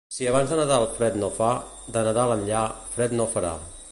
Si abans de Nadal fred no fa, de Nadal enllà, fred no farà.